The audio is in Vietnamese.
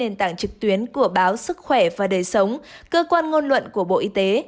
nền tảng trực tuyến của báo sức khỏe và đời sống cơ quan ngôn luận của bộ y tế